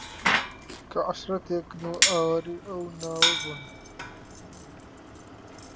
کە عەشیرەتێکن و ئاوارەی ئەو ناوە بوون